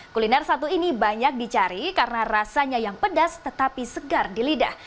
kuliner satu ini banyak dicari karena rasanya yang pedas tetapi segar di lidah